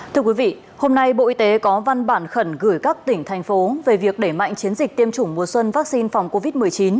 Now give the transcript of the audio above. thưa quý vị hôm nay bộ y tế có văn bản khẩn gửi các tỉnh thành phố về việc đẩy mạnh chiến dịch tiêm chủng mùa xuân vaccine phòng covid một mươi chín